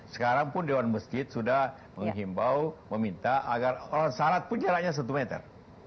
sekarang pun dewan masjid sudah menghimbau meminta agar orang salat pun jaraknya satu meter